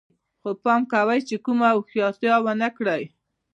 خو پام کوئ چې کومه هوښیارتیا ونه کړئ